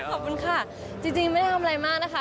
ขอบคุณค่ะจริงไม่ได้ทำอะไรมากนะคะ